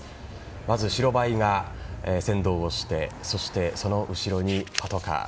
まず白バイが先導をしてそして、その後ろにパトカー。